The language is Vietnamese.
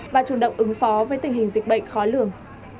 và chủ động ứng phó với tình hình dịch bệnh khó lường